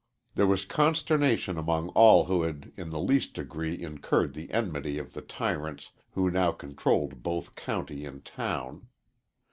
There was consternation among all who had in the least degree incurred the enmity of the tyrants who now controlled both county and town.